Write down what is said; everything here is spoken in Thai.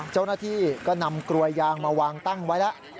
เจ้าหน้าที่ก็นำกลวยยางมาวางตั้งไว้แล้ว